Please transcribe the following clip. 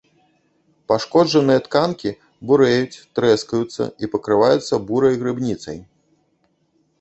Пашкоджаныя тканкі бурэюць, трэскаюцца і пакрываюцца бурай грыбніцай.